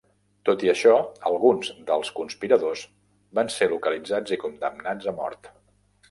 Tot i això, alguns dels conspiradors van ser localitzats i condemnats a mort.